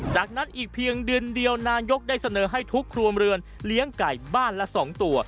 จากนั้นอีกเพียงเดือนเดียวนายกได้เสนอให้ทุกครัวเรือนเลี้ยงไก่บ้านละ๒ตัว